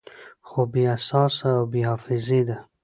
خو بې احساسه او بې حافظې ده